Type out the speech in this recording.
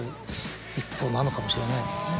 なのかもしれないですね。